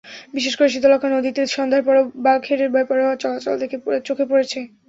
বিশেষ করে শীতলক্ষ্যা নদীতে সন্ধ্যার পরও বাল্কহেডের বেপরোয়া চলাচল চোখে পড়ছে।